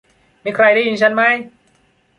มีใครได้ยินฉันมั้ย